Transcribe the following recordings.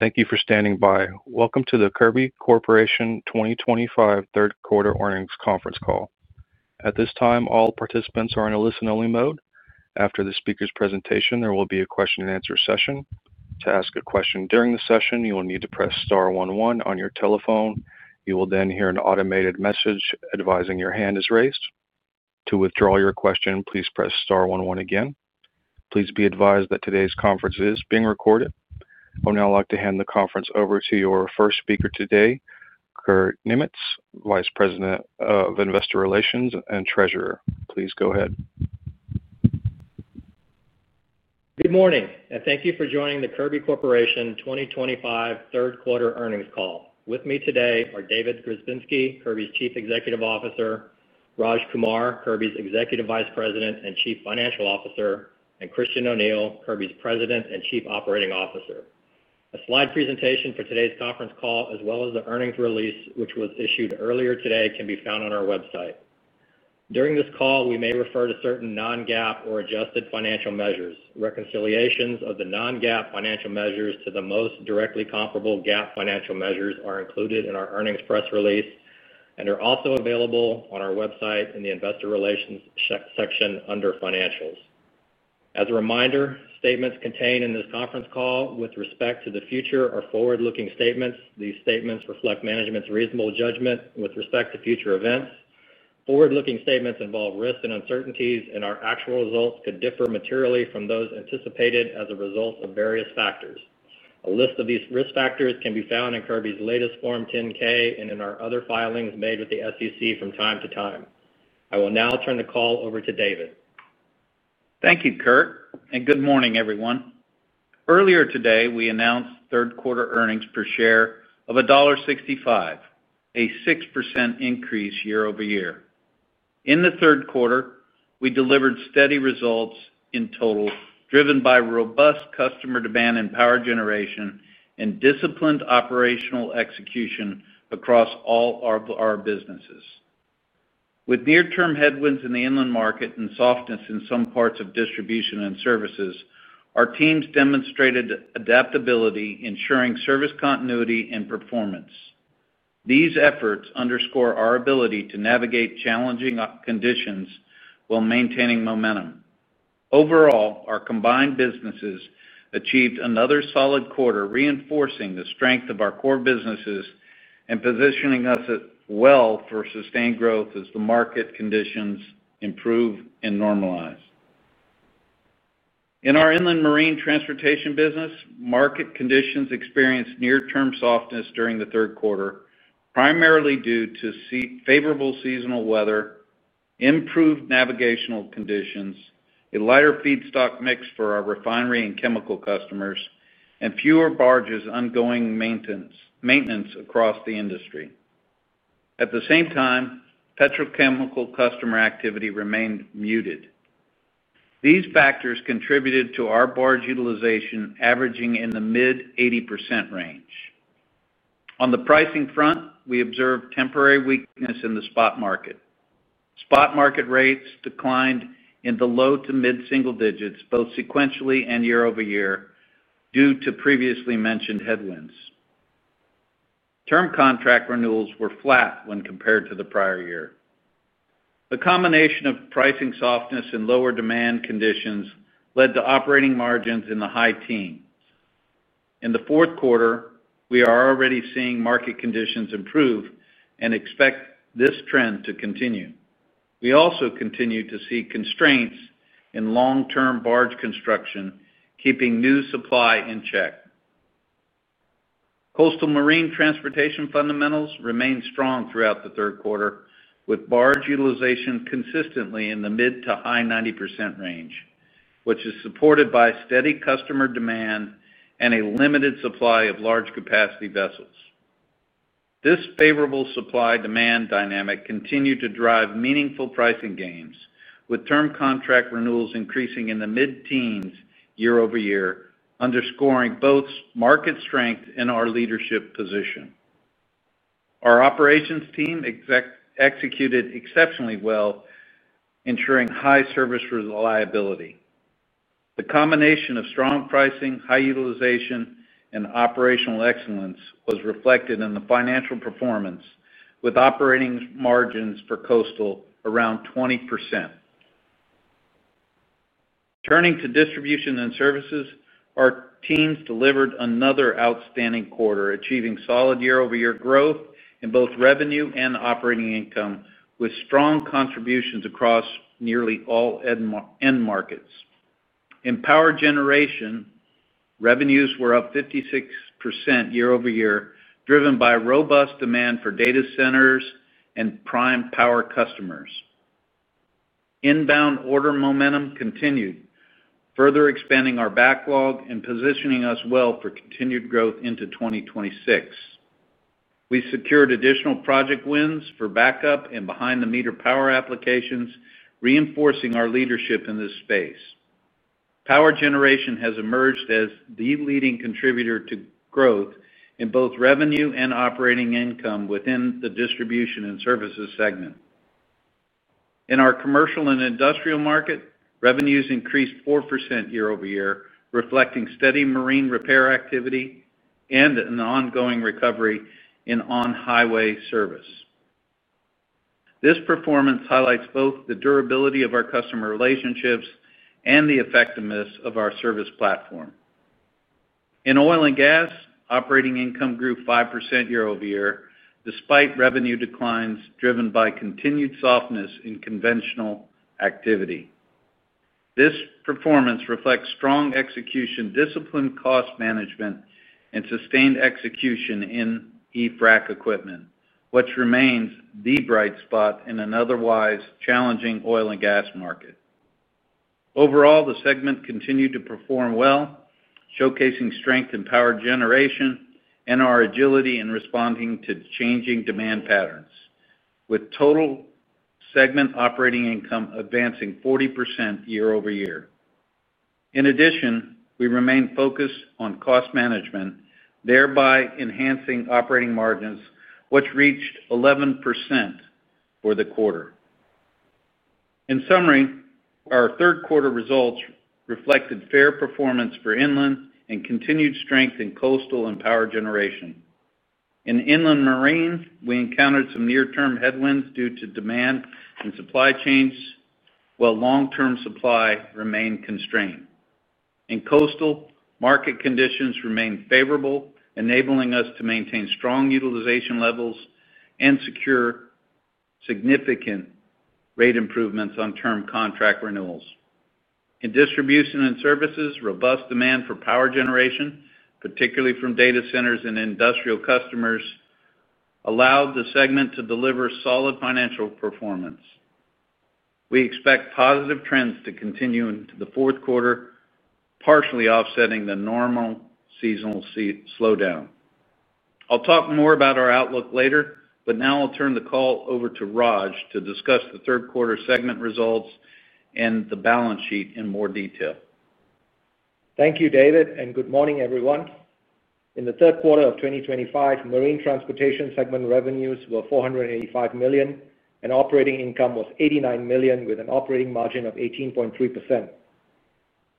Thank you for standing by. Welcome to the Kirby Corporation 2025 third quarter earnings conference call. At this time, all participants are in a listen-only mode. After the speaker's presentation, there will be a question-and-answer session. To ask a question during the session, you will need to press star one, one on your telephone. You will then hear an automated message advising your hand is raised. To withdraw your question, please press star one, one again. Please be advised that today's conference is being recorded. I would now like to hand the conference over to your first speaker today, Kurt Niemietz, Vice President of Investor Relations and Treasurer. Please go ahead. Good morning and thank you for joining the Kirby Corporation 2025 third quarter earnings call. With me today are David Grzebinski, Kirby's Chief Executive Officer, Raj Kumar, Kirby's Executive Vice President and Chief Financial Officer, and Christian O’Neil, Kirby's President and Chief Operating Officer. A slide presentation for today's conference call as well as the earnings release which was issued earlier today can be found on our website. During this call we may refer to certain non-GAAP or adjusted financial measures. Reconciliations of the non-GAAP financial measures to the most directly comparable GAAP financial measures are included in our earnings press release and are also available on our website in the Investor Relations section under Financials. As a reminder, statements contained in this conference call with respect to the future are forward-looking statements. These statements reflect management's reasonable judgment with respect to future events. Forward-looking statements involve risks and uncertainties and our actual results could differ materially from those anticipated as a result of various factors. A list of these risk factors can be found in Kirby's latest Form 10-K and in our other filings made with the SEC from time to time. I will now turn the call over to David. Thank you, Kurt, and good morning, everyone. Earlier today we announced third quarter earnings per share of $1.65, a 6% increase year-over-year. In the third quarter, we delivered steady results in total, driven by robust customer demand in power generation and disciplined operational execution across all of our businesses. With near-term headwinds in the inland market and softness in some parts of distribution and services, our teams demonstrated adaptability, ensuring service continuity and performance. These efforts underscore our ability to navigate challenging conditions while maintaining momentum. Overall, our combined businesses achieved another solid quarter, reinforcing the strength of our core businesses and positioning us well for sustained growth as the market conditions improve and normalize. In our inland marine transportation business, market conditions experienced near-term softness during the third quarter, primarily due to favorable seasonal weather, improved navigational conditions, a lighter feedstock mix for our refinery and chemical customers, and fewer barges undergoing maintenance across the industry. At the same time, petrochemical customer activity remained muted. These factors contributed to our barge utilization averaging in the mid 80% range. On the pricing front, we observed temporary weakness in the spot market. Spot market rates declined in the low to mid single digits both sequentially and year over year due to previously mentioned headwinds. Term contract renewals were flat when compared to the prior year. A combination of pricing softness and lower demand conditions led to operating margins in the high teens in the fourth quarter. We are already seeing market conditions improve and expect this trend to continue. We also continue to see constraints in long-term barge construction, keeping new supply in check. Coastal marine transportation fundamentals remained strong throughout the third quarter, with barge utilization consistently in the mid to high 90% range, which is supported by steady customer demand and a limited supply of large capacity vessels. This favorable supply-demand dynamic continued to drive meaningful pricing gains, with term contract renewals increasing in the mid teens year-over-year. Underscoring both market strength and our leadership position, our operations team executed exceptionally well, ensuring high service reliability. The combination of strong pricing, high utilization, and operational excellence was reflected in the financial performance, with operating margins for coastal around 20%. Turning to distribution and services, our teams delivered another outstanding quarter, achieving solid year over year growth in both revenue and operating income with strong contributions across nearly all end markets. In power generation, revenues were up 56% year-over-year, driven by robust demand for data centers and prime power customers. Inbound order momentum continued, further expanding our backlog and positioning us well for continued growth into 2026. We secured additional project wins for backup and behind the meter power applications, reinforcing our leadership in this space. Power generation has emerged as the leading contributor to growth in both revenue and operating income within the distribution and services segment. In our commercial and industrial market, revenues increased 4% year-over-year, reflecting steady marine repair activity and an ongoing recovery in on highway service. This performance highlights both the durability of our customer relationships and the effectiveness of our service platform. In oil and gas, operating income grew 5% year-over-year despite revenue declines driven by continued softness in conventional activity. This performance reflects strong execution, disciplined cost management, and sustained execution in EFRAC equipment, which remains the bright spot in an otherwise challenging oil and gas market. Overall, the segment continued to perform well, showcasing strength in power generation and our agility in responding to changing demand patterns, with total segment operating income advancing 40% year-over-year. In addition, we remain focused on cost management, thereby enhancing operating margins, which reached 11% for the quarter. In summary, our third quarter results reflected fair performance for inland and continued strength in coastal and power generation. In inland marine, we encountered some near term headwinds due to demand and supply chains. While long term supply remained constrained in coastal, market conditions remained favorable, enabling us to maintain strong utilization levels and secure significant rate improvements on term contract renewals. In distribution and services, robust demand for power generation, particularly from data centers and industrial customers, allowed the segment to deliver solid financial performance. We expect positive trends to continue into the fourth quarter, partially offsetting the normal seasonal slowdown. I'll talk more about our outlook later, but now I'll turn the call over to Raj to discuss the third quarter segment results and the balance sheet in more detail. Thank you, David, and good morning, everyone. In the third quarter of 2025, Marine Transportation segment revenues were $485 million and operating income was $89 million with an operating margin of 18.3%.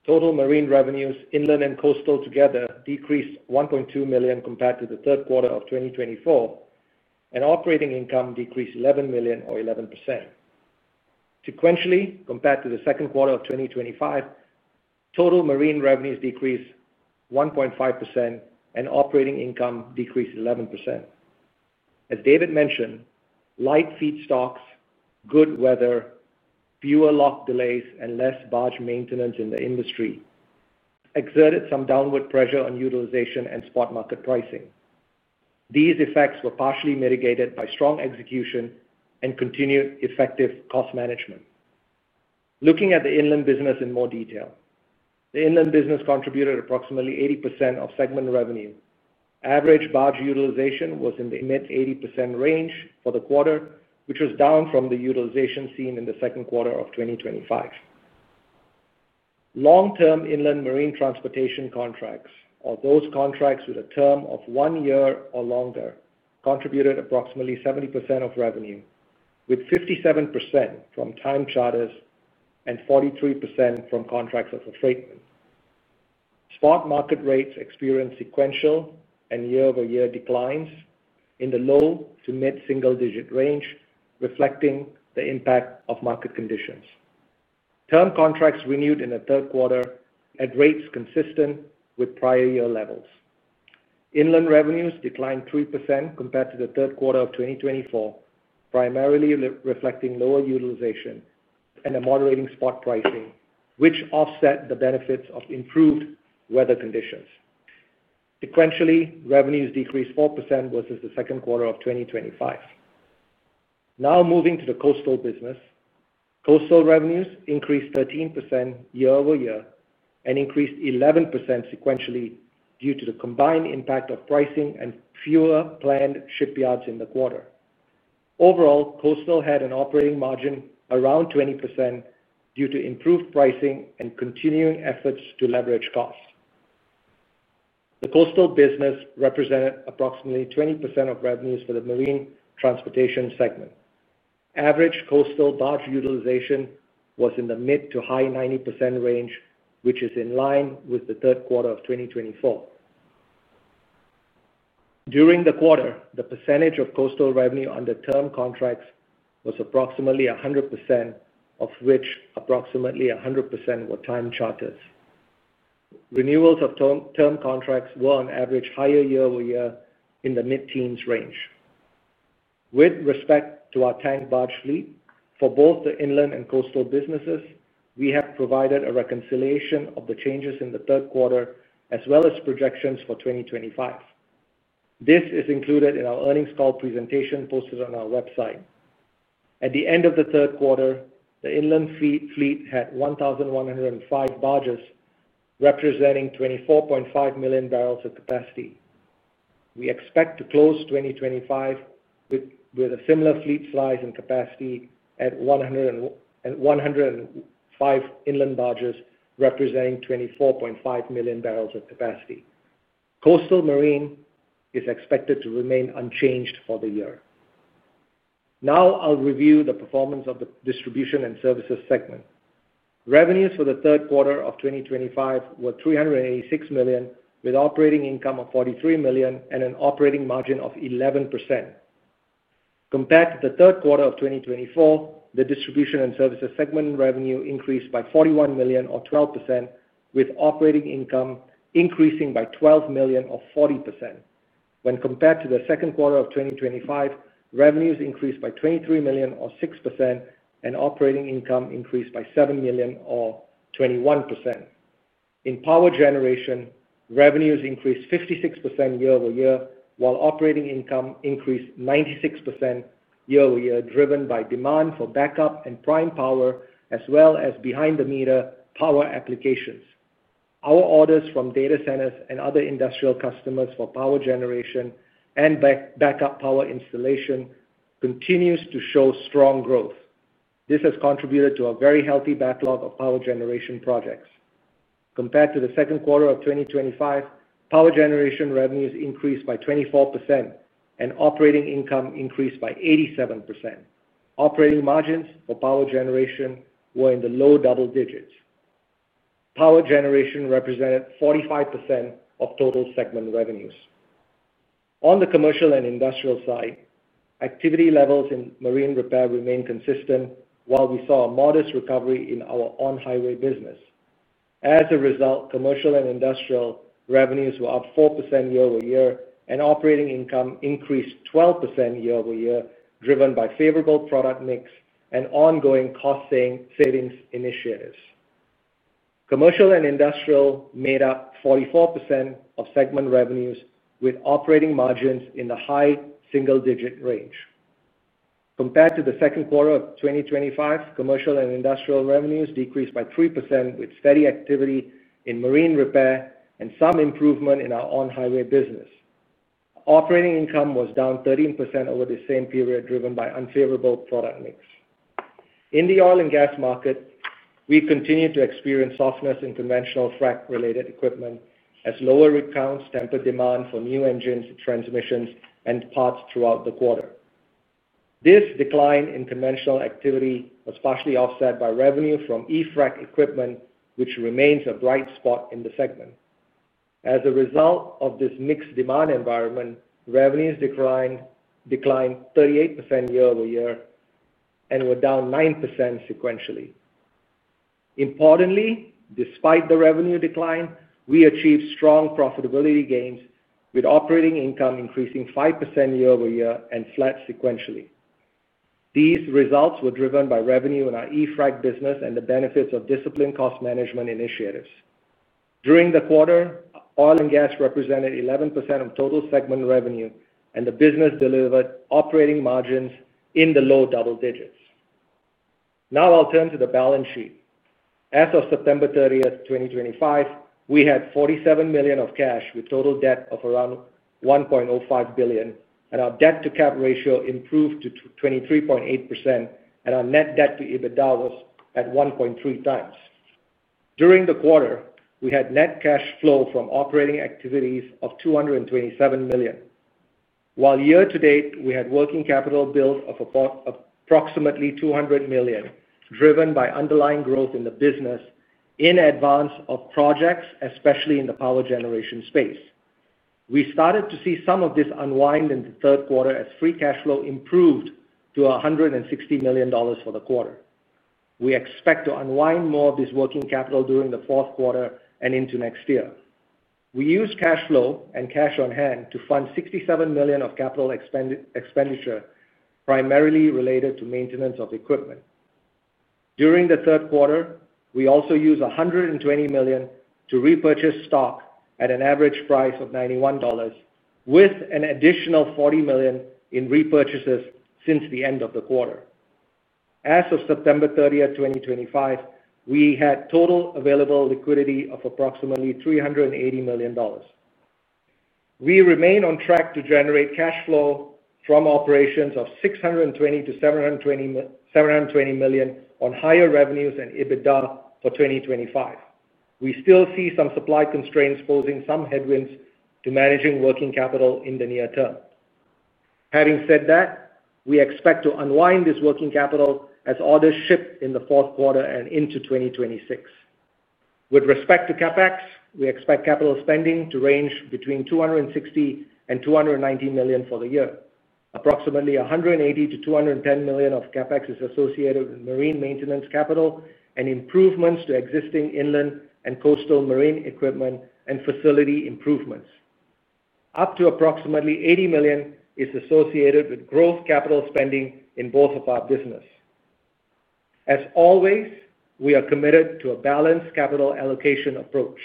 Total marine revenues, inland and coastal together, decreased $1.2 million compared to 3Q24, and operating income decreased $11 million, or 11%, sequentially. Compared to the second quarter of 2025, total marine revenues decreased 1.5%, and operating income decreased 11%. As David mentioned, light feedstocks, good weather, fewer lock delays, and less barge maintenance in the industry exerted some downward pressure on utilization and spot market pricing. These effects were partially mitigated by strong execution and continued effective cost management. Looking at the inland business in more detail, the inland business contributed approximately 80% of segment revenue. Average barge utilization was in the mid-80% range for the quarter, which was down from the utilization seen in the second quarter of 2025. Long-term inland marine transportation contracts, or those contracts with a term of one year or longer, contributed approximately 70% of revenue, with 57% from time charters and 43% from contracts of affreightment. Spot market rates experienced sequential and year-over-year declines in the low to mid-single-digit range, reflecting the impact of market conditions. Term contracts renewed in the third quarter at rates consistent with prior year levels. Inland revenues declined 3% compared to the third quarter of 2024, primarily reflecting lower utilization and a moderating spot pricing, which offset the benefits of improved weather conditions. Sequentially, revenues decreased 4% versus the second quarter of 2025. Now moving to the coastal business, coastal revenues increased 13% year-over-year and increased 11% sequentially due to the combined impact of pricing and fewer planned shipyards in the quarter. Overall, coastal had an operating margin around 20% due to improved pricing and continuing efforts to leverage costs. The coastal business represented approximately 20% of revenues for the Marine Transportation segment. Average coastal barge utilization was in the mid to high 90% range, which is in line with the third quarter of 2024. During the quarter, the percentage of coastal revenue under term contracts was approximately 100%, of which approximately 100% were time charters. Renewals of term contracts were on average higher year-over-year than in the mid-teens range. With respect to our tank barge fleet for both the inland and coastal businesses, we have provided a reconciliation of the changes in the third quarter as well as projections for 2025. This is included in our earnings call presentation posted on our website. At the end of the third quarter, the inland fleet had 1,105 barges representing 24.5 million bbls of capacity. We expect to close 2025 with a similar fleet size and capacity at 1,105 inland barges representing 24.5 million bbls of capacity. Coastal marine is expected to remain unchanged for the year. Now I'll review the performance of the distribution and services segment. Revenues for the third quarter of 2025 were $386 million with operating income of $43 million and an operating margin of 11%. Compared to the third quarter of 2024, the distribution and services segment revenue increased by $41 million or 12%, with operating income increasing by $12 million or 40%. When compared to the second quarter of 2025, revenues increased by $23 million or 6% and operating income increased by $7 million or 21%. In power generation, revenues increased 56% year-over-year while operating income increased 96% year-over-year driven by demand for backup and prime power as well as behind the meter power applications. Our orders from data centers and other industrial customers for power generation and backup power installation continues to show strong growth. This has contributed to a very healthy backlog of power generation projects. Compared to the second quarter of 2025, power generation revenues increased by 24% and operating income increased by 87%. Operating margins for power generation were in the low double digits. Power generation represented 45% of total segment revenues. On the commercial and industrial side, activity levels in marine repair remained consistent while we saw a modest recovery in our on highway business. As a result, commercial and industrial revenues were up 4% year-over-year and operating income increased 12% year-over-year driven by favorable product mix and ongoing cost savings initiatives. Commercial and industrial made up 44% of segment revenues with operating margins in the high single digit range. Compared to the second quarter of 2025, commercial and industrial revenues decreased by 3% with steady activity in marine repair and some improvement in our on highway business. Operating income was down 13% over the same period, driven by unfavorable product mix in the oil and gas market. We continue to experience softness in conventional frac related equipment as lower rig counts tempered demand for new engines, transmissions, and parts throughout the quarter. This decline in conventional activity was partially offset by revenue from EFRAC equipment, which remains a bright spot in the segment. As a result of this mixed demand environment, revenues declined 38% year-over-year and were down 9% sequentially. Importantly, despite the revenue decline, we achieved strong profitability gains with operating income increasing 5% year-over-year and flat sequentially. These results were driven by revenue in our EFRAC business and the benefits of disciplined cost management initiatives. During the quarter, oil and gas represented 11% of total segment revenue, and the business delivered operating margins in the low double digits. Now I'll turn to the balance sheet. As of September 30th, 2025, we had $47 million of cash with total debt of around $1.05 billion, and our debt to cap ratio improved to 23.8%. Our net debt to EBITDA was at 1.3x. During the quarter, we had net cash flow from operating activities of $227 million, while year to date we had working capital build of approximately $200 million driven by underlying growth in the business in advance of projects, especially in the power generation space. We started to see some of this unwind in the third quarter as free cash flow improved to $160 million for the quarter. We expect to unwind more of this working capital during the fourth quarter and into next year. We used cash flow and cash on hand to fund $67 million of capital expenditure, primarily related to maintenance of equipment during the third quarter. We also used $120 million to repurchase stock at an average price of $91, with an additional $40 million in repurchases since the end of the quarter. As of September 30th, 2025, we had total available liquidity of approximately $380 million. We remain on track to generate cash flow from operations of $620 million-$720 million on higher revenues and EBITDA for 2025. We still see some supply constraints posing some headwinds to managing working capital in the near term. Having said that, we expect to unwind this working capital as orders ship in the fourth quarter and into 2026. With respect to CapEx, we expect capital spending to range between $260 and $290 million for the year. Approximately $180 millio-$210 million of CapEx is associated with marine maintenance capital and improvements to existing inland and coastal marine equipment and facility improvements. Up to approximately $80 million is associated with growth capital spending in both of our business. As always, we are committed to a balanced capital allocation approach.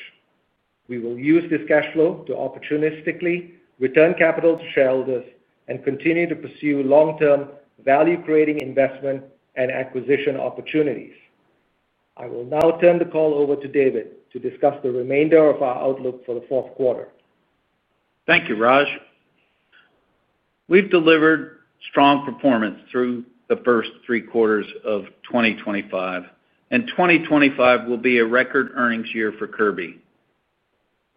We will use this cash flow to opportunistically return capital to shareholders and continue to pursue long term value creating investment and acquisition opportunities. I will now turn the call over to David to discuss the remainder of our outlook for the fourth quarter. Thank you, Raj. We've delivered strong performance through the first three quarters of 2025, and 2025 will be a record earnings year for Kirby.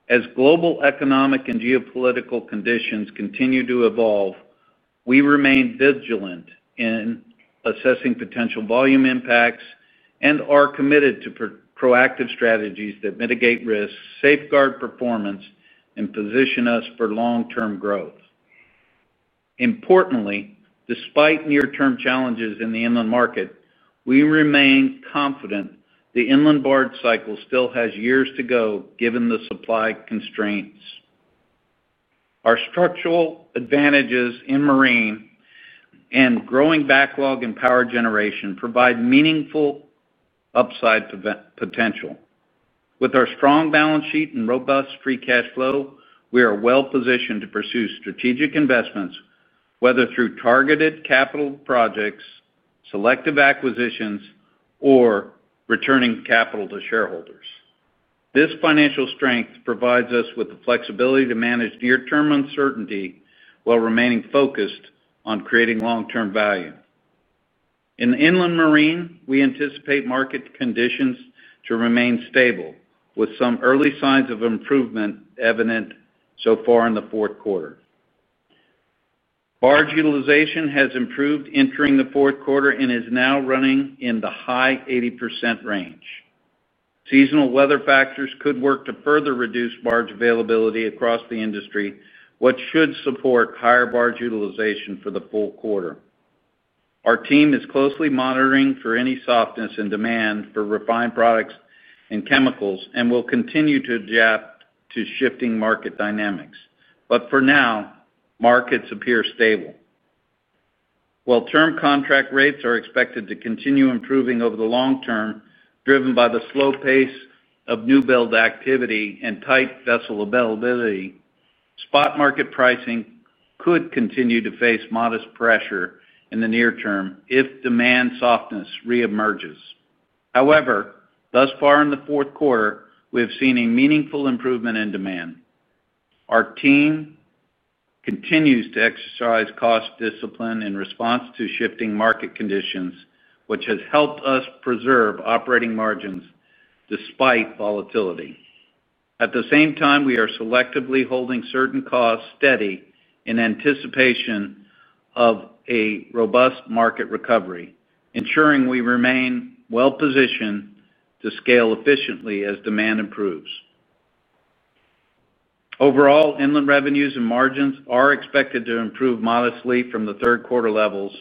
As global economic and geopolitical conditions continue to evolve, we remain vigilant in assessing potential volume impacts and are committed to proactive strategies that mitigate risk, safeguard performance, and position us for long-term growth. Importantly, despite near-term challenges in the inland market, we remain confident the inland barge cycle still has years to go given the supply constraints. Our structural advantages in marine and growing backlog in power generation provide meaningful upside potential. With our strong balance sheet and robust free cash flow, we are well positioned to pursue strategic investments, whether through targeted capital projects, selective acquisitions, or returning capital to shareholders. This financial strength provides us with the flexibility to manage near-term uncertainty while remaining focused on creating long-term value in inland marine. We anticipate market conditions to remain stable, with some early signs of improvement evident so far in the fourth quarter. Barge utilization has improved entering the fourth quarter and is now running in the high 80% range. Seasonal weather factors could work to further reduce barge availability across the industry, which should support higher barge utilization for the full quarter. Our team is closely monitoring for any softness in demand for refined products and chemicals and will continue to adapt to shifting market dynamics. Markets appear stable while term contract rates are expected to continue improving over the long term, driven by the slow pace of new build activity and tight vessel availability. Spot market pricing could continue to face modest pressure in the near term if demand softness reemerges. However, thus far in the fourth quarter, we have seen a meaningful improvement in demand. Our team continues to exercise cost discipline in response to shifting market conditions, which has helped us preserve operating margins despite volatility. At the same time, we are selectively holding certain costs steady in anticipation of a robust market recovery, ensuring we remain well positioned to scale efficiently as demand improves. Overall, inland revenues and margins are expected to improve modestly from the third quarter levels,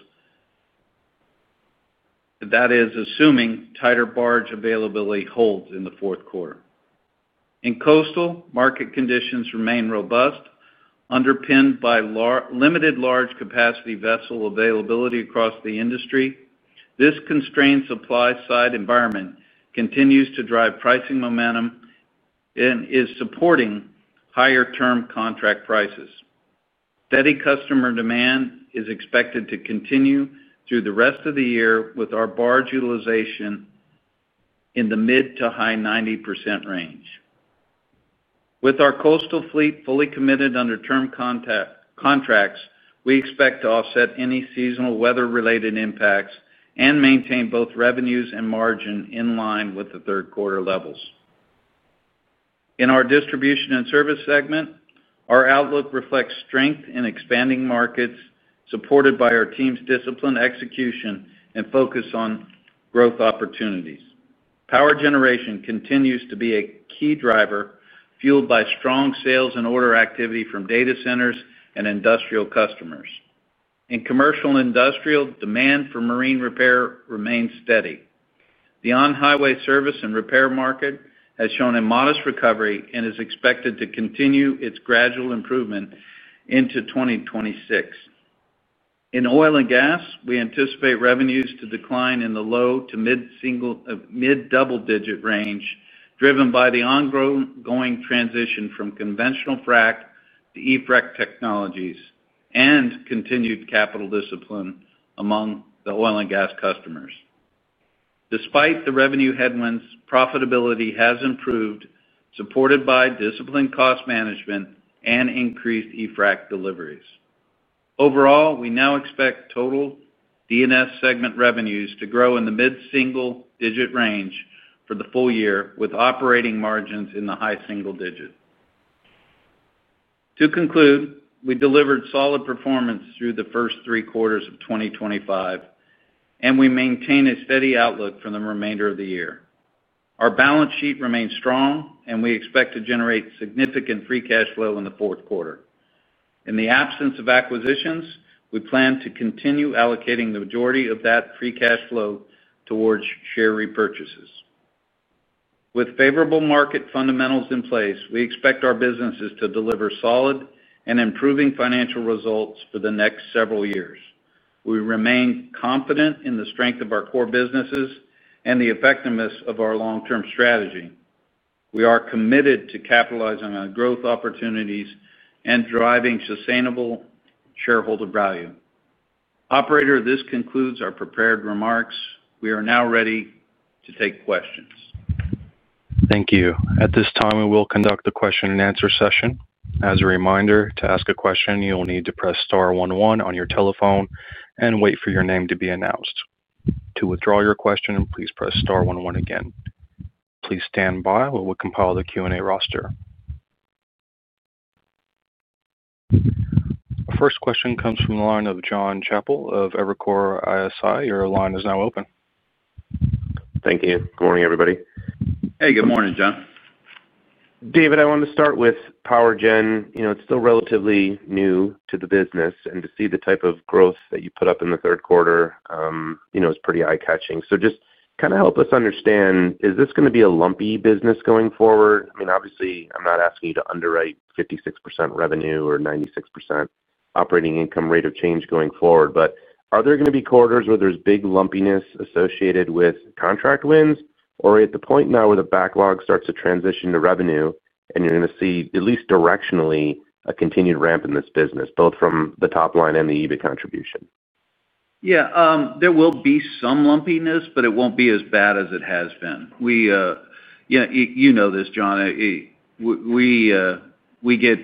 and that is assuming tighter barge availability holds in the fourth quarter. In coastal, market conditions remain robust, underpinned by limited large capacity vessel availability across the industry. This constrained supply side environment continues to drive pricing momentum and is supporting higher term contract prices. Steady customer demand is expected to continue through the rest of the year with our barge utilization in the mid to high 90% range. With our coastal fleet fully committed under term contracts, we expect to offset any seasonal weather-related impacts and maintain both revenues and margin in line with the third quarter levels. In our distribution and services segment, our outlook reflects strength in expanding markets supported by our team's disciplined execution and focus on growth opportunities. Power generation continues to be a key driver, fueled by strong sales and order activity from data centers and industrial customers. In commercial and industrial, demand for marine repair remains steady. The on-highway service and repair market has shown a modest recovery and is expected to continue its gradual improvement into 2026. In oil and gas, we anticipate revenues to decline in the low to mid double-digit range, driven by the ongoing transition from conventional frac to EFRAC technologies and continued capital discipline among the oil and gas customers. Despite the revenue headwinds, profitability has improved, supported by disciplined cost management and increased EFRAC deliveries. Overall, we now expect total distribution and services segment revenues to grow in the mid single-digit range for the full year, with operating margins in the high single-digit. To conclude, we delivered solid performance through the first three quarters of 2025 and we maintain a steady outlook for the remainder of the year. Our balance sheet remains strong and we expect to generate significant free cash flow in the fourth quarter. In the absence of acquisitions, we plan to continue allocating the majority of that free cash flow towards share repurchases. With favorable market fundamentals in place, we expect our businesses to deliver solid and improving financial results for the next several years. We remain confident in the strength of our core businesses and the effectiveness of our long-term strategy. We are committed to capitalizing on growth opportunities and driving sustainable shareholder value. Operator, this concludes our prepared remarks. We are now ready to take questions. Thank you. At this time we will conduct the question-and-answer session. As a reminder, to ask a question, you will need to press star one, one on your telephone and wait for your name to be announced. To withdraw your question, please press star one, one again. Please stand by while we compile the Q&A roster. First question comes from the line of Jon Chappell of Evercore ISI. Your line is now open. Thank you. Good morning, everybody. Hey, good morning, Jon. David, I wanted to start with Power, you know it's still relatively new to the business. To see the type of growth that you put up in the third quarter is pretty eye catching. Just kind of help us understand, is this going to be a lumpy business going forward? Obviously I'm not asking you to underwrite 56% revenue or 96% operating income, rate of change going forward, but. Are there going to be quarters where there's big lumpiness associated with contract wins or at the point now where the backlog starts to transition to revenue, and you're going to see, at least directionally, a continued ramp in this business both from the top line and the EBIT contribution. Yeah, there will be some lumpiness. It won't be as bad as it has been. You know this, Jon. We get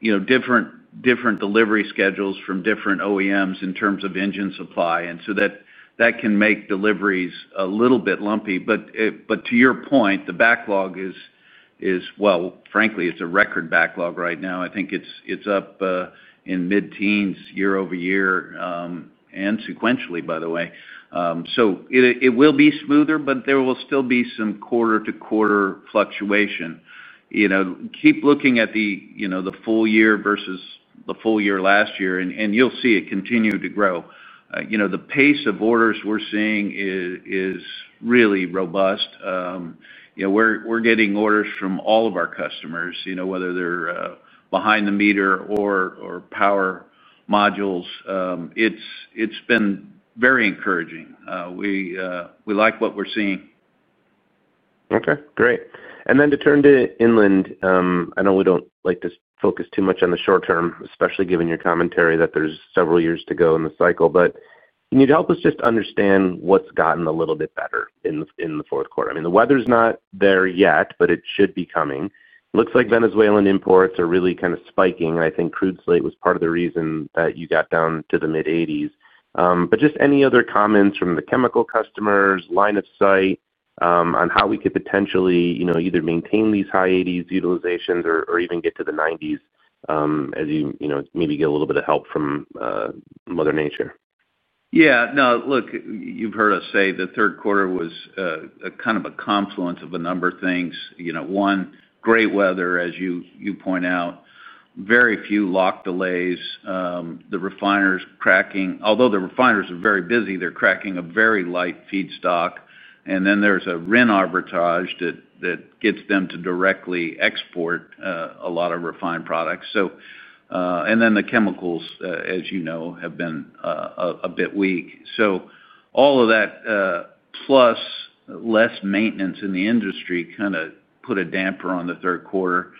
you different delivery schedules from different OEMs in terms of engine supply can make deliveries a little bit lumpy. To your point, the backlog is, frankly, it's a record backlog right now. I think it's up in mid-teens, year-over-year and sequentially, by the way, so it will be smoother, but there will still be some quarter to quarter fluctuation. Keep looking at the full year versus the full year last year, and you'll see it continue to grow. The pace of orders we're seeing is really robust. We're getting orders from all of our customers, whether they're behind the meter or power modules. It's been very encouraging. We like what we're seeing. Okay, great. To turn to inland, I know we don't like to focus too much on the short term, especially given your commentary that there's several years to go in the cycle. Can you help us just understand what's gotten a little bit better in the fourth quarter? I mean, the weather's not there yet, but it should be coming. Looks like Venezuelan imports are really kind of spiking. I think crude slate was part of the reason that you got down to the mid-80s. Any other comments from the chemical customers' line of sight on how we could potentially either maintain these high 80s utilizations or even get to the 90s as you maybe get a little bit of help from Mother Nature? Yeah, look, you've heard us say the third quarter was kind of a confluence of a number of things. One, great weather, as you point out. Very few lock delays. The refiners cracking although the refiners are very busy, they're cracking a very light feedstock and then there's a RIN arbitrage that gets them to directly export a lot of refined products. The chemicals, as you know, have been a bit weak. All of that plus less maintenance in the industry kind of put a damper on the third quarter.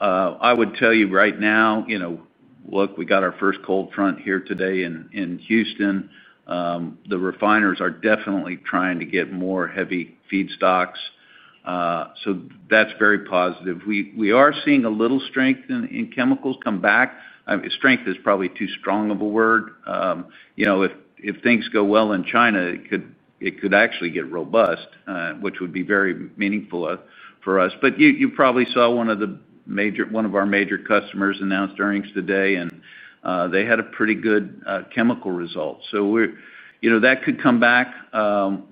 I would tell you right now, you know, look, we got our first cold front here today in Houston. The refiners are definitely trying to get more heavy feedstocks. That's very positive. We are seeing a little strength in chemicals come back. Strength is probably too strong of a word. If things go well in China, it could actually get robust, which would be very meaningful for us. You probably saw one of our major customers announced earnings today and they had a pretty good chemical result. That could come back.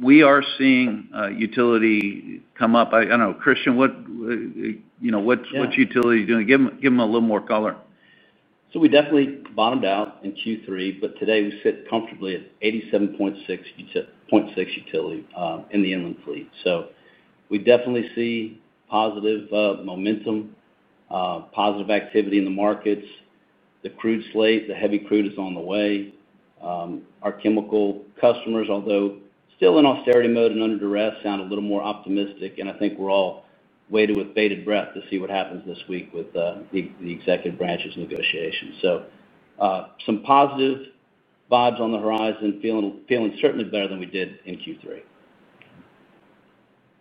We are seeing utility come up. I don't know, Christian, what utility are you doing? Give them a little more color. We definitely bottomed out in Q3, but today we sit comfortably at 87.6% utility in the inland fleet. We definitely see positive momentum, positive activity in the markets. The crude slate, the heavy crude is on the way. Our chemical customers, although still in austerity mode and under duress, sound a little more optimistic. I think we're all waited with bated breath to see what happens this week with the executive branch's negotiations. Some positive vibes on the horizon. Feeling certainly better than we did in Q3.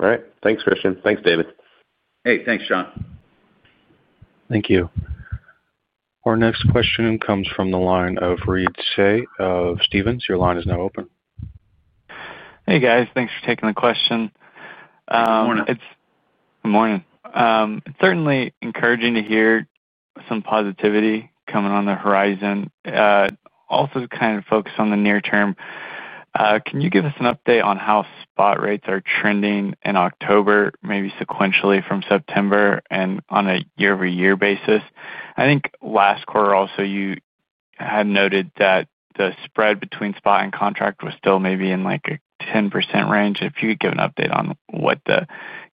All right, thanks, Christian. Thanks, David. Hey, thanks, Jon. Thank you. Our next question comes from the line of Reed Seay of Stephens. Your line is now open. Hey guys, thanks for taking the question. Good morning. Certainly encouraging to hear some positivity coming on the horizon. Also kind of focused on the near term, can you give us an update on how spot market rates are trending in October, maybe sequentially from September and on year over year basis? I think last quarter also you had noted that the spread between spot and contract was still maybe in like the 10% range. If you could give an update on what the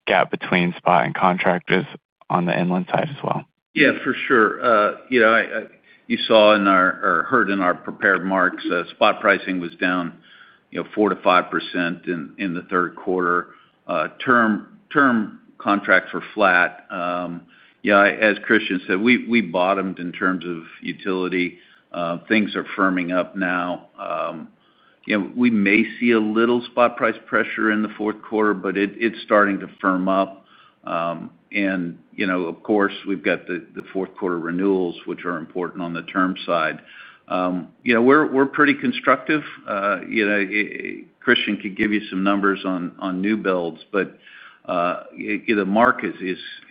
gap between spot and contract is on the inland side as well. Yeah, for sure. You know, you saw in our or heard in our prepared remarks, spot pricing was down 4%-5% in the third quarter. Term contract for flat. Yeah, as Christian said, we bottomed in terms of utility. Things are firming up now. we may see a little spot market rate pressure in the fourth quarter, but it's starting to firm up. Of course we've got the fourth quarter renewals which are important on the term side. We're pretty constructive. Christian could give you some numbers on new builds, but the market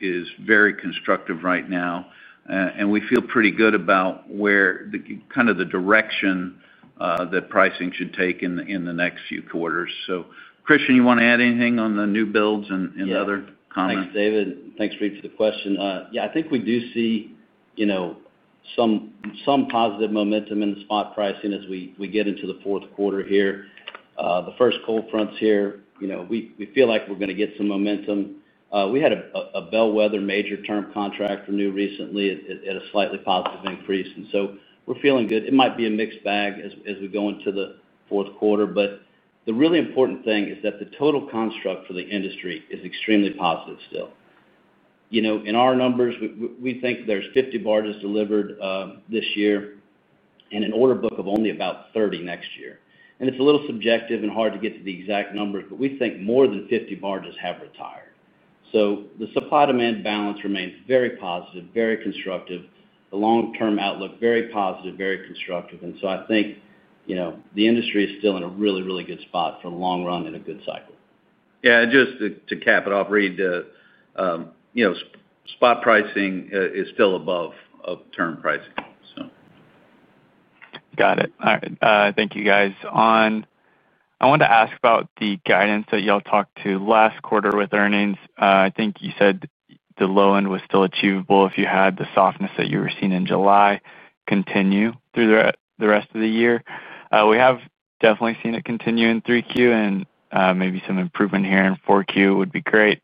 is very constructive right now, and we feel pretty good about where kind of the direction that pricing should take in the next few quarters. Christian, you want to add anything on the new builds and other comments? Thanks, David. Thanks, Reed, for the question. I think we do see some positive momentum in the spot pricing as we get into the fourth quarter here, the first cold fronts here. We feel like we're going to get some momentum. We had a bellwether major term contract renew recently at a slightly positive increase in some. We are feeling good. It might be a mixed bag as we go into the fourth quarter, but the really important thing is that the total construct for the industry is extremely positive still. In our numbers, we think there's 50 barges delivered this year and an order book of only about 30 next year. It's a little subjective and hard to get to the exact numbers, but we think more than 50 barges have retired. The supply demand balance remains very positive, very constructive. The long term outlook, very positive, very constructive. I think the industry is still in a really, really good spot for the long run and a good cycle. Yeah, just to cap it off, Reed. Spot pricing is still above term pricing. Got it. Thank you, guys. I wanted to ask about the guidance that you all talked to last quarter with earnings. I think you said the low end was still achievable if you had the softness that you were seeing in July continue through the rest of the year. We have definitely seen it continue in.3Q and maybe some improvement here in 4Q would be great.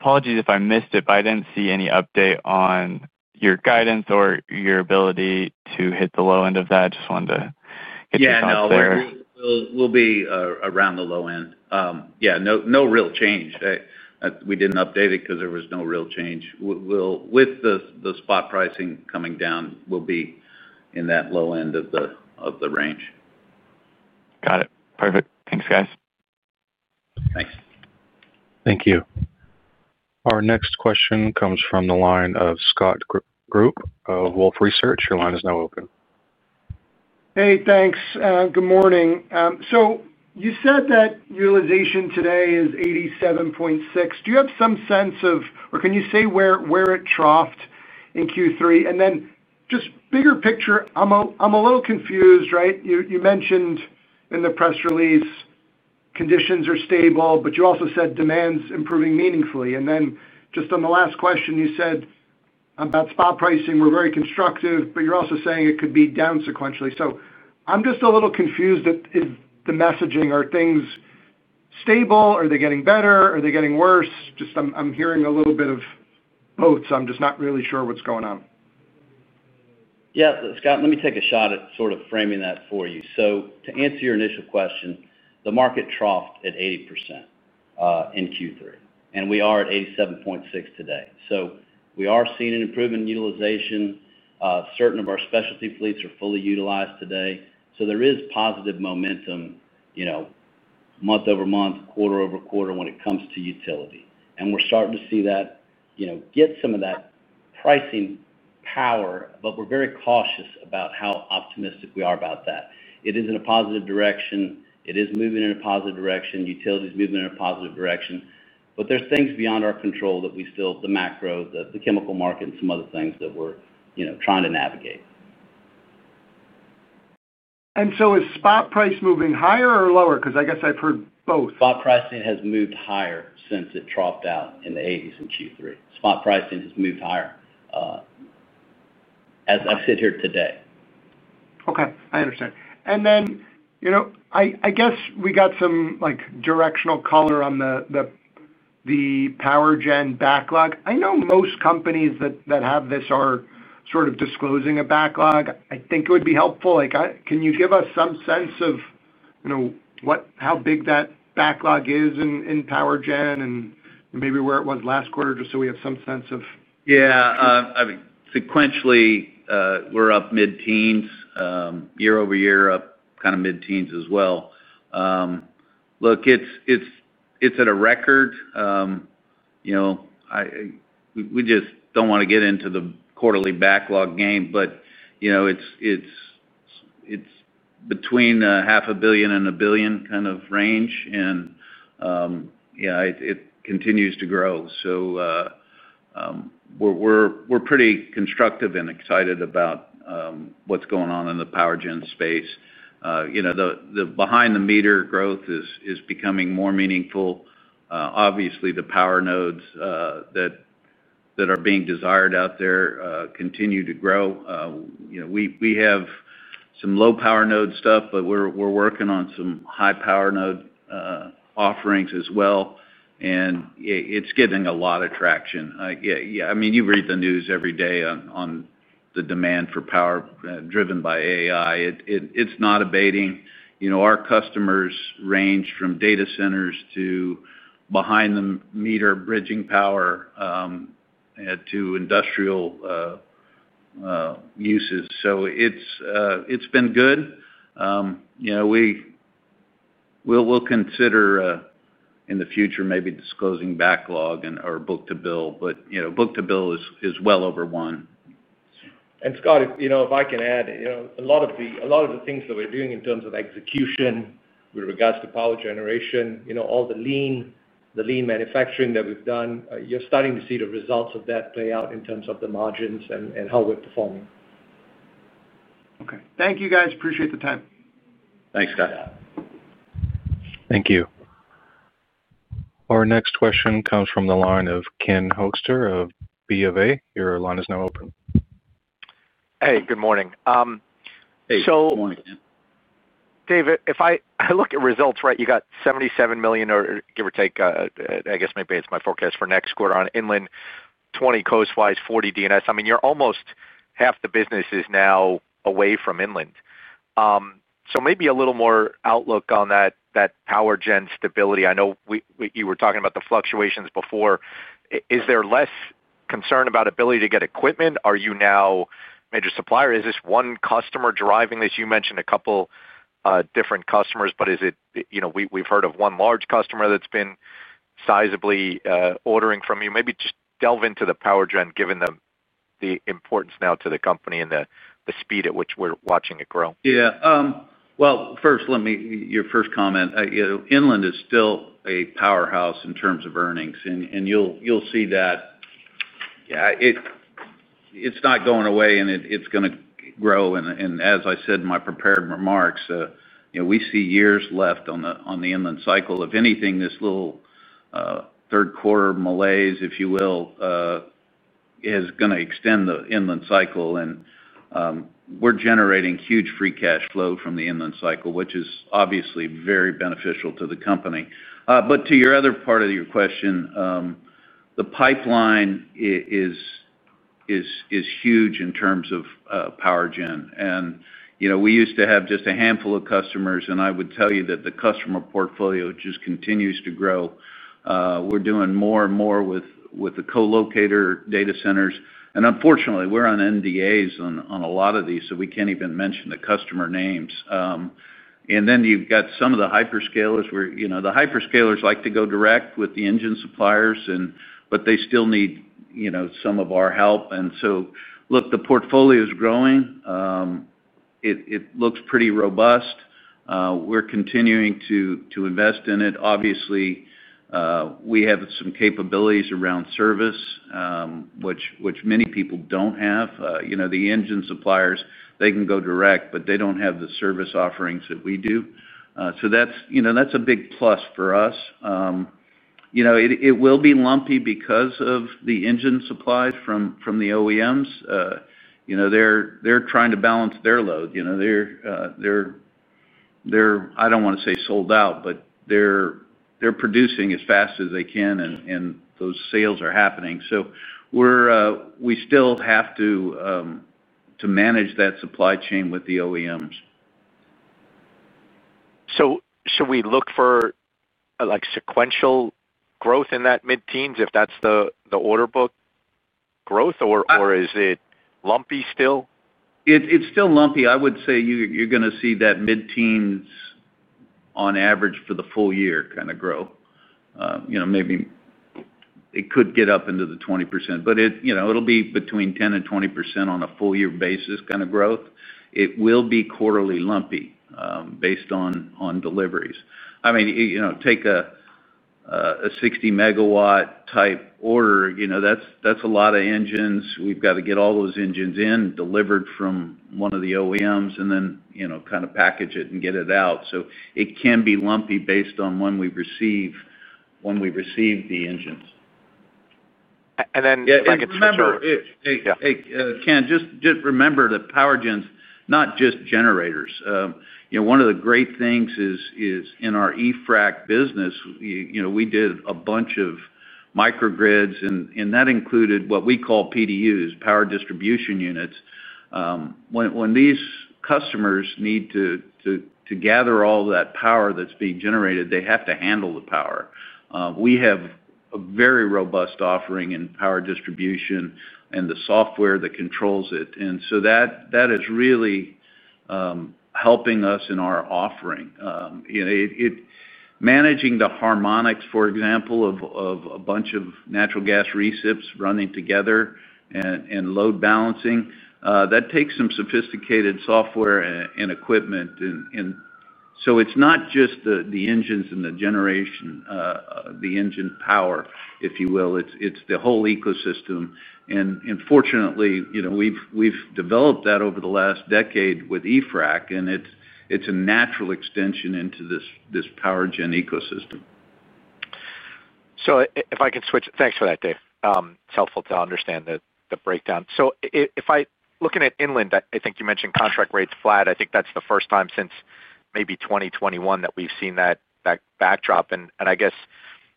Apologies if I missed it, but I didn't see any update on your guidance or your ability to hit the low end of that. Just wanted to get your handle on. We'll be around the low end. Yeah, no real change. We didn't update it because there was no real change. With the spot pricing coming down, we'll be in that low end of the range. Got it. Perfect. Thanks, guys. Thanks. Thank you. Our next question comes from the line of Scott Group of Wolfe Research. Your line is now open. Hey, thanks. Good morning. You said that utilization today is 87.6%. Do you have some sense of or can you say where it troughed in Q3, and then just bigger picture, I'm a little confused, right? You mentioned in the press release conditions are stable, but you also said demand's improving meaningfully. In the last question you said about spot pricing, we're very constructive, but you're also saying it could be down sequentially. I'm just a little confused at the messaging. Are things stable? Are they getting better? Are they getting worse? I'm hearing a little bit of both. I'm just not really sure what's going on. Yeah, Scott, let me take a shot at sort of framing that for you. To answer your initial question, the market troughed at 80% in Q3 and we are at 87.6% today. We are seeing an improvement in utilization. Certain of our specialty fleets are fully utilized today. There is positive momentum, month over month, quarter over quarter when it comes to utilization. We're starting to see that get some of that pricing power. We're very cautious about how optimistic we are about that. It is in a positive direction. It is moving in a positive direction, utilization is moving in a positive direction. There are things beyond our control, the macro, the chemical market and some other things that we're trying to navigate. Is spot price moving higher or lower? I guess I've heard both. Spot pricing has moved higher since it dropped out in the 80%s. In Q3, spot pricing has moved higher as I sit here today. Okay, I understand. I guess we got some directional color on the power generation backlog. I know most companies that have this are disclosing a backlog. I think it would be helpful. Can you give us some sense of how big that backlog is in power generation and maybe where it was last quarter? Just so we have some sense. Yeah, sequentially we're up mid teens, year-over-year up kind of mid teens as well. It's at a record, you know, we just don't want to get into the quarterly backlog game. You know, it's between half a billion and a billion kind of range, and it continues to grow, so we're pretty constructive and excited about what's going on in the power gen space. You know, the behind the meter growth is becoming more meaningful. Obviously, the power nodes that are being desired out there continue to grow. We have some low power node stuff, but we're working on some high power node offerings as well. It's getting a lot of traction. I mean, you read the news every day on the demand for power driven by AI. It's not abating. You know, our customers range from data centers to behind the meter, bridging power to industrial uses. It's been good, you know, we'll consider in the future maybe disclosing backlog or book to bill. You know, book to bill is well over one. Scott, if I can add, a lot of the things that we're doing in terms of execution with regards to power generation, all the lean manufacturing that we've done, you're starting to see the results of that play out in terms of the margins and how we're performing. Okay, thank you guys. Appreciate the time. Thanks, Scott. Thank you. Our next question comes from the line of Ken Hoexter of B of A. Your line is now open. Hey, good morning. Good morning. David, if I look at results right, you got $77 million or give or take, I guess maybe it's my forecast for next quarter on inland. $20 million coastwise, $40 million distribution and services. I mean you're almost half the business is now away from inland, so maybe a little more outlook on that power gen stability. I know you were talking about the fluctuations before. Is there less concern about ability to get equipment? Are you now major supplier? Is this one customer driving this? You mentioned a couple different customers, but is it, you know, we've heard of one large customer that's been sizably ordering from you. Maybe just delve into the power generation, given the importance now to the company and the speed at which we're watching it grow. Yeah, first, let me address your first comment. Inland is still a powerhouse in terms of earnings and you'll see that it's not going away and it's going to grow. As I said in my prepared remarks, we see years left on the inland cycle. If anything, this little third quarter malaise, if you will, is going to extend the inland cycle and we're generating huge free cash flow from the inland cycle, which is obviously very beneficial to the company. To your other part of your question, the pipeline is huge in terms of power generation and we used to have just a handful of customers. I would tell you that the customer portfolio just continues to grow. We're doing more and more with the co-locator data centers and unfortunately we're on NDAs on a lot of these so we can't even mention the customer names. You've got some of the hyperscalers where, you know, the hyperscalers like to go direct with the engine suppliers but they still need, you know, some of our help. The portfolio is growing. It looks pretty robust. We're continuing to invest in it. Obviously, we have some capabilities around service which many people don't have. The engine suppliers can go direct but they don't have the service offerings that we do. That's a big plus for us. It will be lumpy because. Of the engine supplies from the OEMs. They're trying to balance their load. They're producing as fast as they can and those sales are happening. We still have to manage that supply chain with the OEMs. Should we look for sequential growth in that mid-teens, if that's the order book growth, or is it lumpy still? It's still lumpy. I would say you're going to see that mid teens on average for the full year kind of grow. Maybe it could get up into the 20% but it will be between 10% and 20% on a full year basis kind of growth. It will be quarterly lumpy based on deliveries. I mean, take a 60 MW type order, that's a lot of engines. We've got to get all those engines in, delivered from one of the OEMs, and then package it and get it out so it can be lumpy based on when we receive the engines. Hey Ken, just remember that. Power gens, not just generators. One of the great things is in our EFRAC business we did a bunch of micro grids and that included what we call PDUs, power distribution units. When these customers need to gather all that power that's being generated, they have to handle the power. We have a very robust offering in power distribution and the software that controls it. That is really helping us in our offering, managing the harmonics, for example, of a bunch of natural gas receipts running together and load balancing. That takes some sophisticated software and equipment. It's not just the engines and the generation, the engine power if you will, it's the whole ecosystem. Fortunately, we've developed that over the last decade with EFRAC and it's a natural extension into this power gen ecosystem. If I can switch. Thanks for that, Dave. It's helpful to understand the breakdown. If I am looking at inland, I think you mentioned contract rates flat. I think that's the first time since maybe 2021 that we've seen that backdrop, and I guess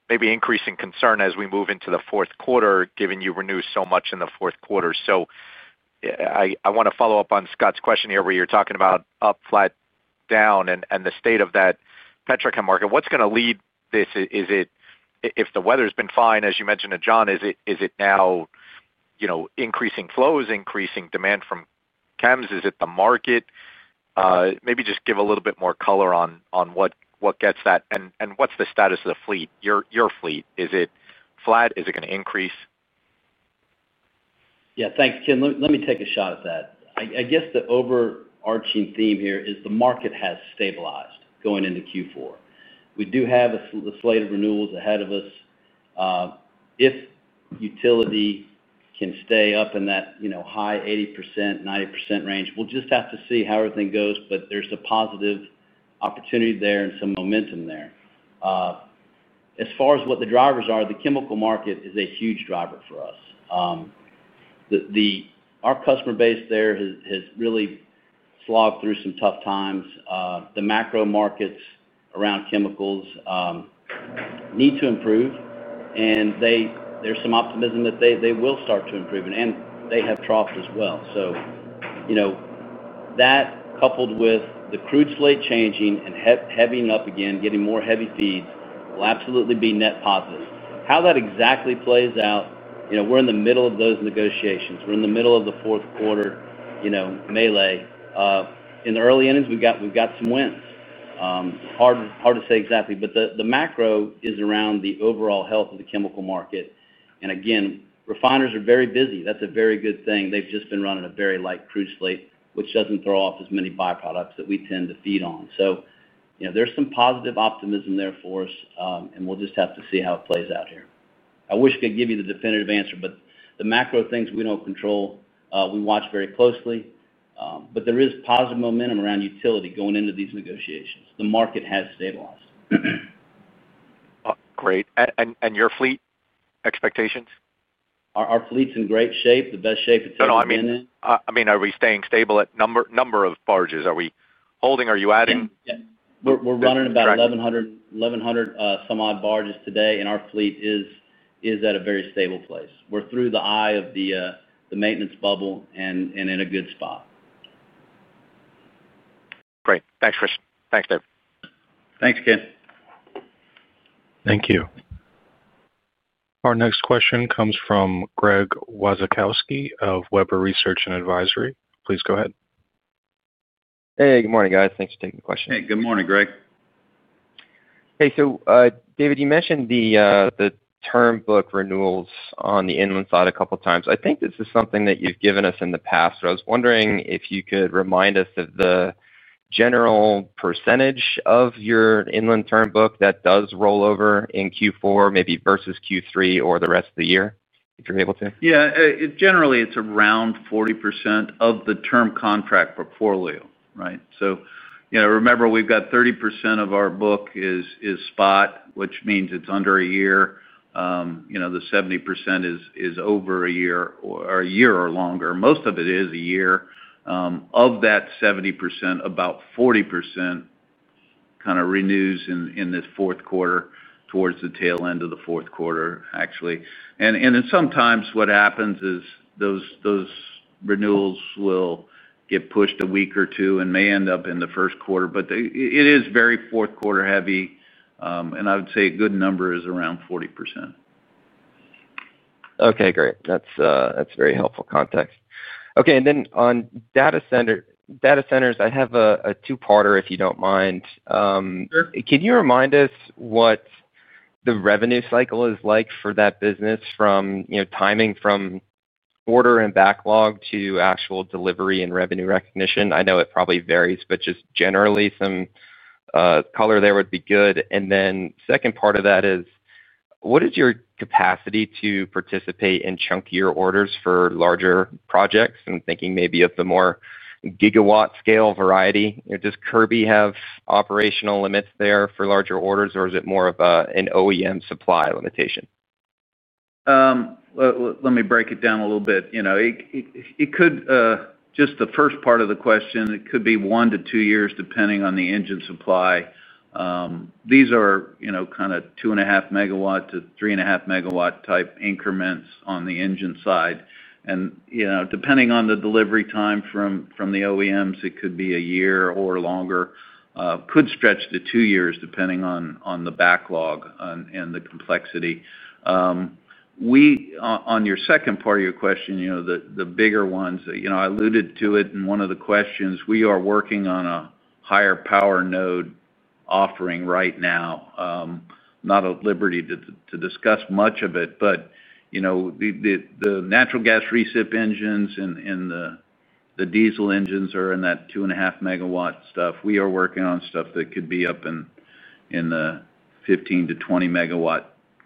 maybe increasing concern as we move into the fourth quarter, given you renew so much in the fourth quarter. I want to follow up on Scott's question here where you're talking about up, flat, down, and the state of that petrochemical market. What's going to lead this? If the weather's been fine, as you mentioned to John, is it now increasing flows, increasing demand from Ken? Is it the market? Maybe just give a little bit more color on what gets that. What's the status of the fleet? Your fleet, is it flat? Is it going to increase? Yeah, thanks, Ken. Let me take a shot at that. I guess the overarching theme here is the market has stabilized going into Q4. We do have a slate of renewals ahead of us. If utility can stay up in that high 80%, 90% range, we'll just have to see how everything goes. There's a positive opportunity there and some momentum there. As far as what the drivers are, the chemical market is a huge driver for us. Our customer base there has really slogged through some tough times. The macro markets around chemicals need to improve and there's some optimism that they will start to improve and they have troughed as well. That, coupled with the crude slate changing and heavying up again, getting more heavy feeds, will absolutely be net positive. How that exactly plays out, we're in the middle of those negotiations. We're in the middle of the fourth quarter, in the early innings. We've got some wins, hard to say exactly, but the macro is around the overall health of the chemical market. Again, refiners are very busy. That's a very good thing. They've just been running a very light crude slate, which doesn't throw off as many byproducts that we tend to feed on. There's some positive optimism there for us and we'll just have to see how it plays out here. I wish I could give you the definitive answer, but the macro things we don't control. We watch very closely. There is positive momentum around utility going into these negotiations. The market has stabilized. Great. Your fleet expectations? Our fleet's in great shape, the best shape it's ever been in. Are we staying stable at number of barges? Are we holding? Are you adding? We're running about 1,100 some odd barges today, and our fleet is at a very stable place. We're through the eye of the maintenance bubble and in a good spot. Great. Thanks, Chris. Thanks, Dave. Thanks, Ken. Thank you. Our next question comes from Greg Wasikowski of Weber Research & Advisory. Please go ahead. Hey, good morning guys. Thanks for taking the question. Hey, good morning, Greg. Hey, too. David, you mentioned the term contract renewals on the inland side a couple times. I think this is something that you've given us in the past. I was wondering if you could remind us of the general percentage of your inland term contract book that does roll over in Q4, maybe versus Q3 or the rest of the year if you're able to. Yeah, generally it's around 40% of the term contract portfolio, right? You know, remember we've got 30% of our book is spot, which means it's under a year. The 70% is over a year or a year or longer. Most of it is a year. Of that 70%, about 40% kind of renews in the fourth quarter, towards the tail end of the fourth quarter actually. Sometimes what happens is those renewals will get pushed a week or two and may end up in the first quarter. It is very fourth quarter heavy and I would say a good number is around 40%. Okay, great. That's very helpful context. Okay. On data centers, I have a two-parter, if you don't mind. Can you remind us what the revenue cycle is like for that business, from timing from order and backlog to actual delivery and revenue recognition? I know it probably varies, but just generally some color there would be good. The second part of that is, what is your capacity to participate in chunkier orders for larger projects? I'm thinking maybe of the more gigawatt scale variety. Does Kirby have operational limits there for larger orders, or is it more of an OEM supply limitation? Let me break it down a little bit, you know, it could just be the first part of the question. It could be one to two years depending on the engine supply. These are kind of 2.5 MW-3.5 MW type increments on the engine side. Depending on the delivery time from the OEMs, it could be a year or longer. It could stretch to two years depending on the backlog and the complexity. We, on your second part of your question, the bigger ones, I alluded to it in one of the questions. We are working on a higher power node offering right now. Not at liberty to discuss much of it, but the natural gas receipt engines and the diesel engines are in that 2.5 MW stuff. We are working on stuff that could be up in the 15 MW-20 MW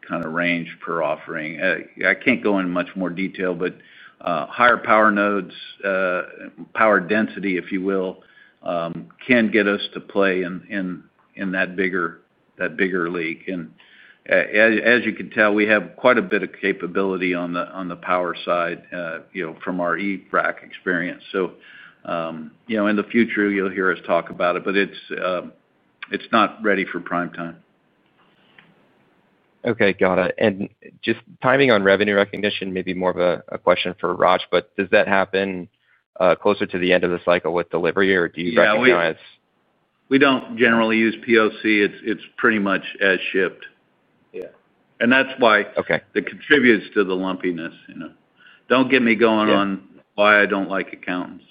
kind of range per offering. I can't go into much more detail, but higher power nodes, power density, if you will, can get us to play in that bigger, that bigger league. As you can tell, we have quite a bit of capability on the power side from our EFRAC experience. In the future you'll hear us talk about it, but it's not ready for prime time. Okay, got it. Just timing on revenue recognition. Maybe more of a question for Raj, but does that happen closer to the end of the cycle with delivery or do you recognize? We don't generally use PoC? It's pretty much as shipped, and that's why it contributes to the lumpiness. Don't get me going on why I don't like accountants.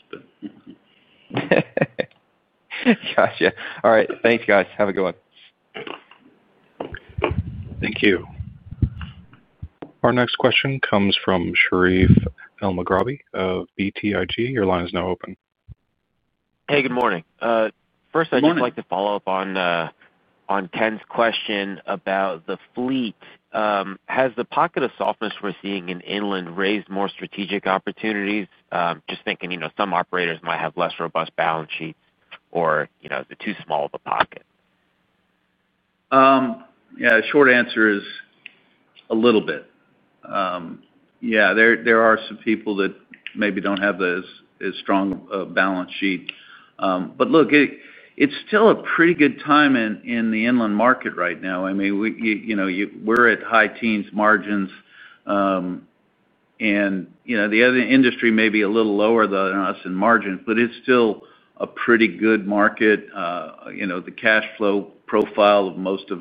All right, thanks, guys. Have a good one. Thank you. Our next question comes from Sherif Elmaghrabi of BTIG. Your line is now open. Hey, good morning. First, I'd like to follow up on Ken's question about the fleet. Has the pocket of softness we're seeing in inland raised more strategic opportunities? Just thinking, you know, some operators might have less robust balance sheets or, you know, is it too small of a pocket? Yeah. Short answer is a little bit. Yeah, there are some people that maybe don't have as strong a balance sheet. Look, it's still a pretty good time in the inland market right now. I mean, you know, we're at high teens market margins, and you know, the other industry may be a little lower than us in margin, but it's still a pretty good market. You know, the cash flow profile of most of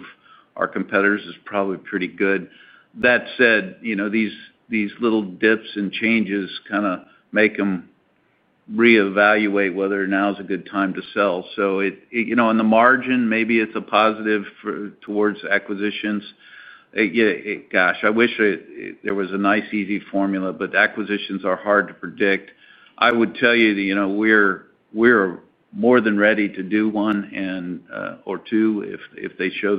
our competitors is probably pretty good. That said, these little dips and changes kind of make them reevaluate whether now is a good time to sell. In the margin, maybe it's a positive towards acquisitions. Gosh, I wish there was a nice easy formula, but acquisitions are hard to predict. I would tell you that we're more than ready to do one or two if they show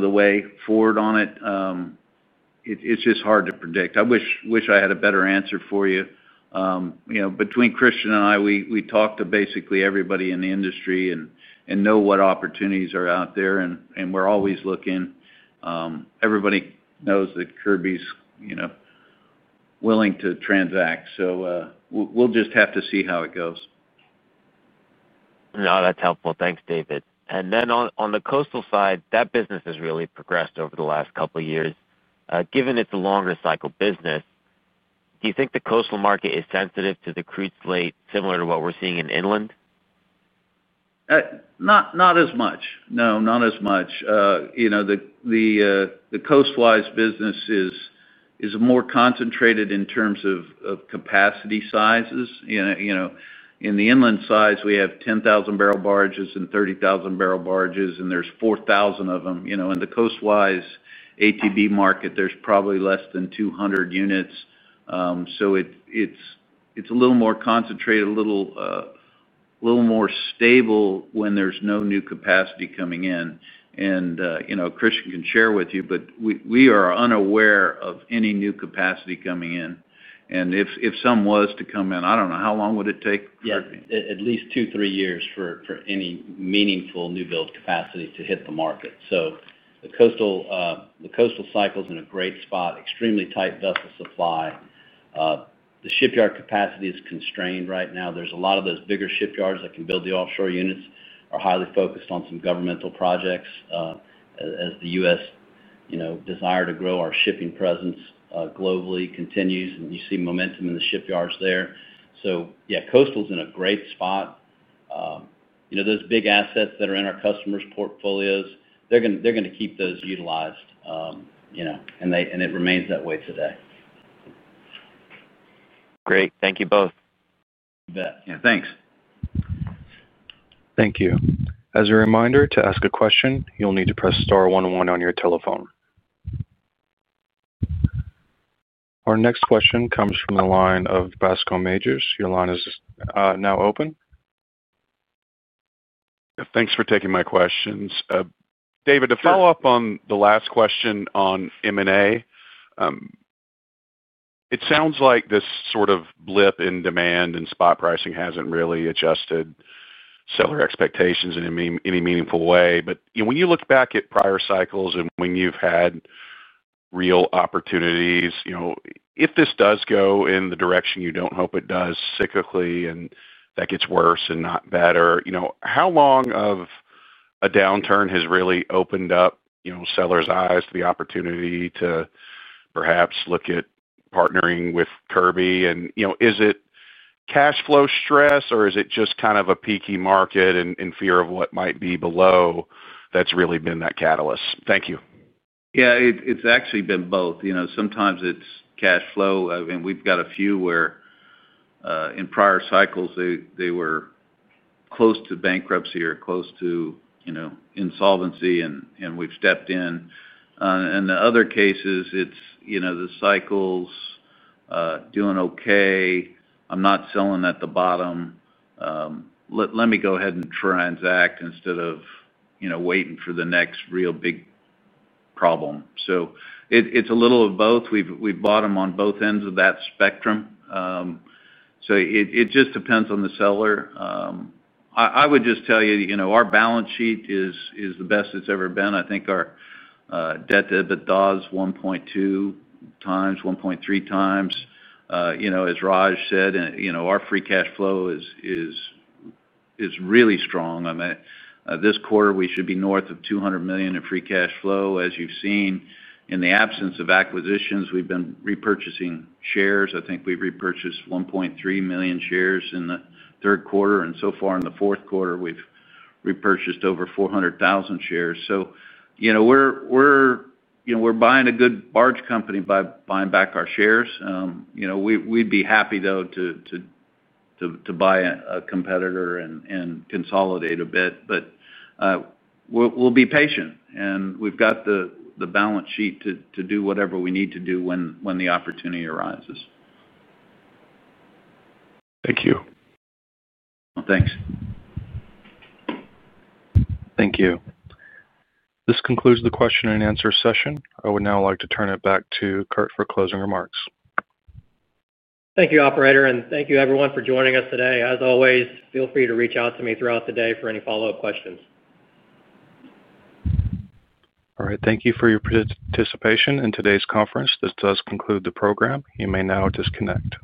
the way forward on it. It's just hard to predict. I wish I had a better answer for you. Between Christian and I, we talk to basically everybody in the industry and know what opportunities are out there. We're always looking. Everybody knows that Kirby's willing to transact, so we'll just have to see how it goes. That's helpful. Thanks, David. On the coastal side, that business has really progressed over the last couple years given it's a longer cycle business. Do you think the coastal market is sensitive to the crude slate, similar to what we're seeing in inland? Not as much. No, not as much. You know, the coastal marine business is more concentrated in terms of capacity sizes. In the inland size we have 10,000 bbls barges and 30,000 bbls barges and there's 4,000 bbls of them. In the coastal marine ATB market there's probably less than 200 units. It's a little more concentrated, a little more stable when there's no new capacity coming in. Christian can share with you, but we are unaware of any new capacity coming in. If some was to come in, I don't know how long would it take? At least two, three years for any meaningful new build capacity to hit the market. The coastal cycles in a great spot. Extremely tight vessel supply. The shipyard capacity is constrained right now. There's a lot of those bigger shipyards that can build the offshore units are highly focused on some governmental projects. As the U.S. desire to grow our shipping presence globally continues, you see momentum in the shipyards there. Coastal's in a great spot. Those big assets that are in our customers' portfolios, they're going to keep those utilized, and it remains that way today. Great. Thank you both. Thanks. Thank you. As a reminder to ask a question, you'll need to press star star one, one on your telephone. Our next question comes from the line of Bascome Majors. Your line is now open. Thanks for taking my questions, David. To follow up on the last question on M&A, it sounds like this sort of blip in demand and spot pricing hasn't really adjusted seller expectations in any meaningful way. When you look back at prior cycles and when you've had real opportunities, if this does go in the direction you don't hope it does cyclically and that gets worse and not better, how long of a downturn has really opened up sellers' eyes to the opportunity to perhaps look at partnering with Kirby, and is it cash flow stress or is it just kind of a peaky market in fear of what might be below? That's really been that catalyst. Thank you. Yeah, it's actually been both. Sometimes it's cash flow and we've got a few where in prior cycles they were close to bankruptcy or close to insolvency and we've stepped in. In other cases, it's the cycle's doing okay. I'm not selling at the bottom. Let me go ahead and transact instead of waiting for the next real big problem. It's a little of both. We bought them on both ends of that spectrum. It just depends on the seller. I would just tell you our balance sheet is the best it's ever been. I think our debt to EBITDA is 1.2x, 1.3x. As Raj said, our free cash flow is really strong this quarter. We should be north of $200 million.In free cash flow. As you've seen, in the absence of acquisitions, we've been repurchasing shares. I think we repurchased 1.3 million shares in the third quarter, and so far in the fourth quarter we've repurchased over 400,000 shares. We're buying a good barge company by buying back our shares. We'd be happy though to buy a competitor and consolidate a bit, but we'll be patient, and we've got the balance sheet to do whatever we need to do when the opportunity arises. Thank you. Thanks. Thank you. This concludes the question-and-answer session. I would now like to turn it back to Kurtz for closing remarks. Thank you, operator. Thank you everyone for joining us today. As always, feel free to reach out to me throughout the day for any follow up questions. All right. Thank you for your participation in today's conference. This does conclude the program. You may now disconnect.